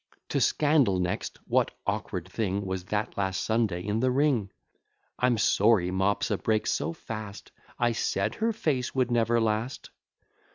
To scandal next What awkward thing Was that last Sunday in the ring? I'm sorry Mopsa breaks so fast: I said her face would never last.